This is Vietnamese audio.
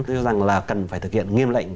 cho rằng là cần phải thực hiện nghiêm lệnh